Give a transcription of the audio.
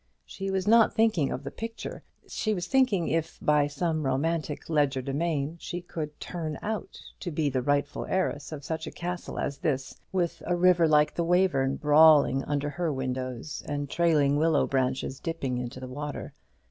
She was not thinking of the picture. She was thinking if, by some romantic legerdemain, she could "turn out" to be the rightful heiress of such a castle as this, with a river like the Wayverne brawling under her windows, and trailing willow branches dipping into the water.